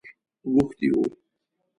غوښتی وو.